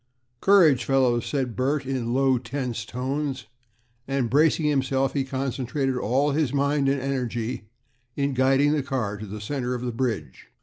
"Courage, fellows," said Bert, in low, tense tones, and bracing himself, he concentrated all his mind and energy in guiding the car to the center of the bridge.